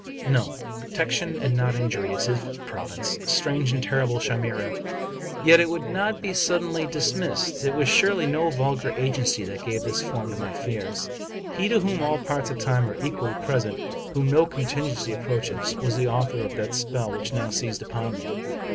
No; protection, and not injury, is his province. Strange and terrible chimera! Yet it would not be suddenly dis missed. It was surely no vulgar agency that gave this form to my fears. He to whom all parts of time are equally pres ent, whom no contingency approaches, was the author of that spell which now seized upon me.